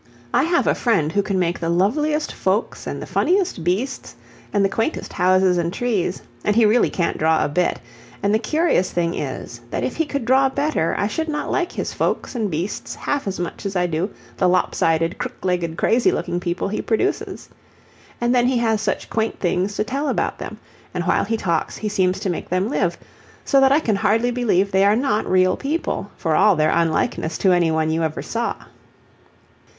I have a friend who can make the loveliest folks and the funniest beasts and the quaintest houses and trees, and he really can't draw a bit; and the curious thing is, that if he could draw better I should not like his folks and beasts half as much as I do the lop sided, crook legged, crazy looking people he produces. And then he has such quaint things to tell about them, and while he talks he seems to make them live, so that I can hardly believe they are not real people for all their unlikeness to any one you ever saw.